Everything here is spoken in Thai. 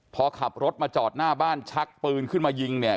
พอขับรถมาจอดหน้าบ้านชักปืนขึ้นมายิงเนี่ย